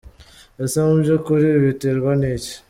Ese mu byukuri ibi biterwa n’iki?.